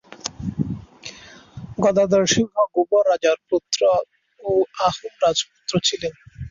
গদাধর সিংহ গোবর রাজার পুত্র ও আহোম রাজপুত্র ছিলেন।